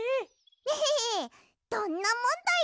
エヘヘどんなもんだい！